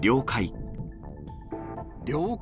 了解。